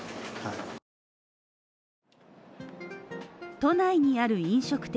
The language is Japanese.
都内にある飲食店